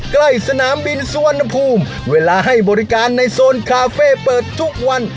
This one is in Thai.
ใกล้สนามบินสุวรรณภูมิเวลาให้บริการในโซนคาเฟ่เปิดทุกวัน